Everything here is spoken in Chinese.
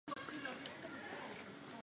黑臀泽蛭为舌蛭科泽蛭属下的一个种。